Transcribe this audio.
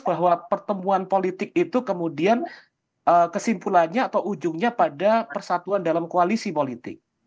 bahwa pertemuan politik itu kemudian kesimpulannya atau ujungnya pada persatuan dalam koalisi politik